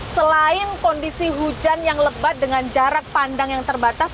selain kondisi hujan yang lebat dengan jarak pandang yang terbatas